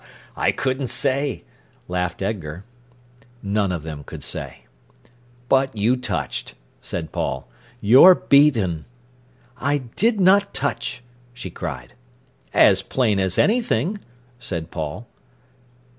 "I couldn't say," laughed Edgar. None of them could say. "But you touched," said Paul. "You're beaten." "I did not touch!" she cried. "As plain as anything," said Paul.